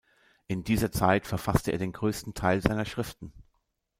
In dieser Zeit verfasste er den größten Teil seiner Schriften.